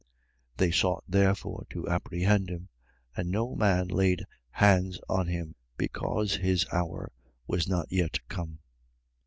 7:30. They sought therefore to apprehend him: and no man laid hands on him, because his hour was not yet come.